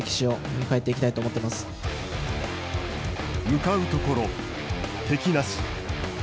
向かうところ敵なし。